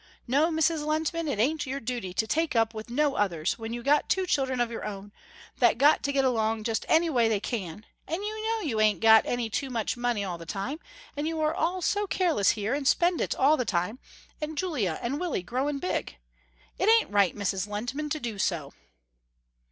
No, Mrs. Lehntman, it ain't your duty to take up with no others, when you got two children of your own, that got to get along just any way they can, and you know you ain't got any too much money all the time, and you are all so careless here and spend it all the time, and Julia and Willie growin' big. It ain't right, Mrs. Lehntman, to do so."